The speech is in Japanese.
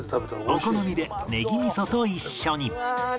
お好みでねぎみそと一緒に